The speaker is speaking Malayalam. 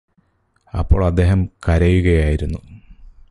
അപ്പോൾ അദ്ദേഹം കരയുകയായിരുന്നു